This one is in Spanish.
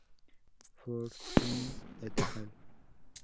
Fortuny "et al.